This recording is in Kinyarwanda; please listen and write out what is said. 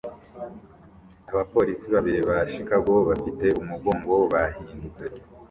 Abapolisi babiri ba Chicago bafite umugongo bahindutse